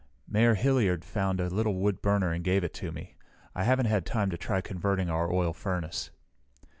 "Mayor Hilliard found a little wood burner and gave it to me. I haven't had time to try converting our oil furnace."